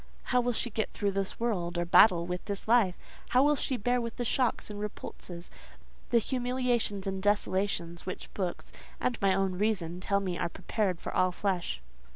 "How will she get through this world, or battle with this life? How will she bear the shocks and repulses, the humiliations and desolations, which books, and my own reason, tell me are prepared for all flesh?"